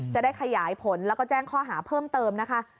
จะได้ขยายผลแล้วก็แจ้งข้อหาเพิ่มเติมนะคะ